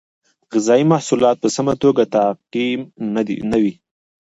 غذایي محصولات په سمه توګه تعقیم نه وي.